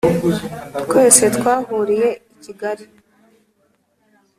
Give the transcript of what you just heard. Twese twahuriye I Kigali